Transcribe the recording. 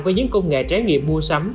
với những công nghệ trái nghiệm mua sắm